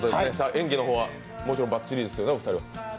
演技の方は、もちろんバッチリですよね、お二人は？